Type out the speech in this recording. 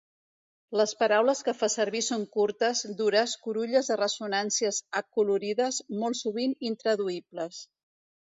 Les paraules que fa servir són curtes, dures, curulles de ressonàncies acolorides, molt sovint intraduïbles.